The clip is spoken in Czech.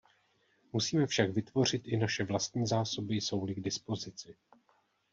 Musíme však vytvořit i naše vlastní zásoby, jsou-li k dispozici.